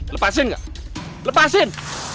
lepasin gak lepasin